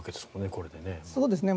これでね。